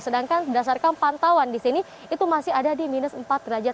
sedangkan berdasarkan pantauan di sini itu masih ada di minus empat derajat